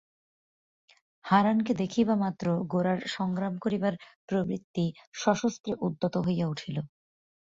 হারানকে দেখিবামাত্র গোরার সংগ্রাম করিবার প্রবৃত্তি সশস্ত্রে উদ্যত হইয়া উঠিল।